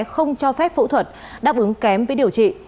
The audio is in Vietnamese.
không cho phép phẫu thuật đáp ứng kém với điều trị